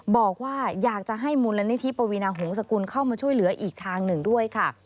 บอกว่าอยากจะให้มูลนิธิปวีนาหงษกุลเข้ามาช่วยเหลืออีกทางหนึ่งด้วยค่ะ